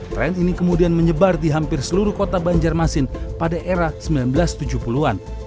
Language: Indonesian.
trend ini kemudian menyebar di hampir seluruh kota banjarmasin pada era seribu sembilan ratus tujuh puluh an